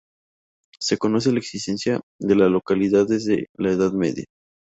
Se conoce la existencia de la localidad desde la Edad Media.